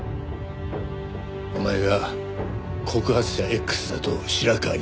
お前が告発者Ｘだと白河にバレた。